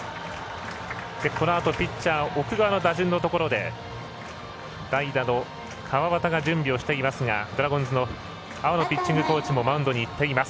このあとピッチャー奥川の打順のところで代打の川端が準備をしていますがドラゴンズの阿波野ピッチングコーチもマウンドに行っています。